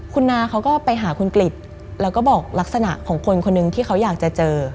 คุณนาเขาก็ไปหาคุณกริจแล้วก็บอกลักษณะของคนคนหนึ่งที่เขาอยากจะเจอ